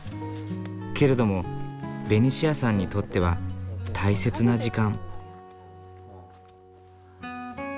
けれどもベニシアさんにとっては大切な時間。